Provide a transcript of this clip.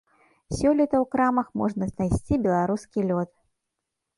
Сёлета ў крамах можна знайсці беларускі лёд.